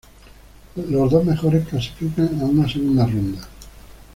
Los dos mejores clasifican a una segunda ronda.